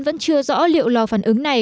vẫn chưa rõ liệu lo phản ứng này